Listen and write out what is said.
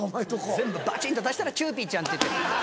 全部バチンと足したらチューピーちゃんって。